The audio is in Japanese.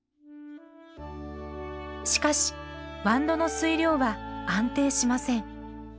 しかしワンドの水量は安定しません。